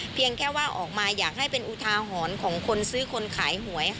เพียงแค่ว่าออกมาอยากให้เป็นอุทาหรณ์ของคนซื้อคนขายหวย